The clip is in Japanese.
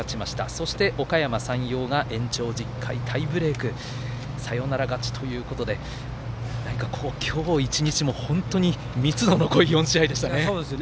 そして、おかやま山陽が延長１０回タイブレークサヨナラ勝ちということで何か今日１日も本当に密度の濃い４試合でしたね。